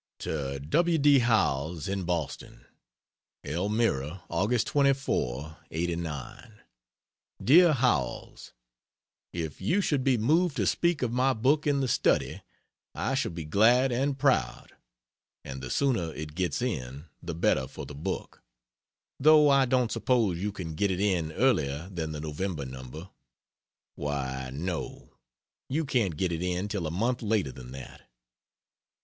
To W. D. Howells, in Boston: ELMIRA, Aug. 24, '89. DEAR HOWELLS, If you should be moved to speak of my book in the Study, I shall be glad and proud and the sooner it gets in, the better for the book; though I don't suppose you can get it in earlier than the November number why, no, you can't get it in till a month later than that.